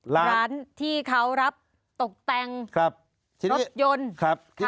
ร้านที่เขารับตกแต่งรถยนต์